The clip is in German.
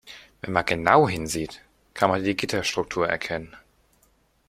Wenn man genau hinsieht, kann man die Gitterstruktur erkennen.